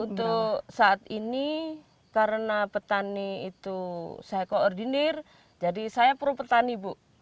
untuk saat ini karena petani itu saya koordinir jadi saya pro petani bu